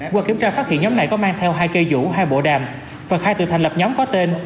qua kiểm tra phát hiện nhóm này có mang theo hai cây dụ hai bộ đàm và khai tự thành lập nhóm có tên